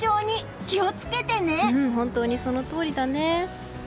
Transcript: うん、本当にそのとおりだね。